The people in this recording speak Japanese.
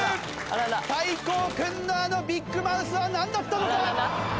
大光君のあのビッグマウスはなんだったのか？